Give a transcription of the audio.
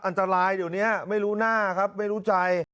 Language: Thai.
อันตรายเดี๋ยวนี้ไม่รู้หน้าครับไม่รู้ใจ